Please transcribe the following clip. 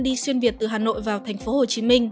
đi xuyên việt từ hà nội vào tp hcm